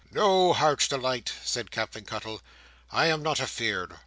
"No, Heart's delight," said Captain Cuttle, "I am not afeard.